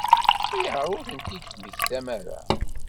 Ayɣer ur tent-id-temmektam ara?